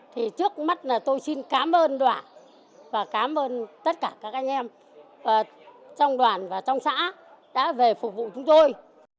thì trước mắt là tôi xin cảm ơn đoàn và cảm ơn tất cả các anh em trong đoàn và trong xã đã về phục vụ chúng tôi